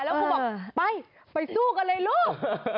แล้วครูบอกไปไปสู้กันเลยลูก